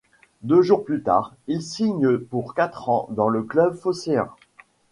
Deux jours plus tard, il signe pour quatre ans dans le club phocéen.